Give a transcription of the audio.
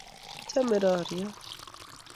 ichome roryon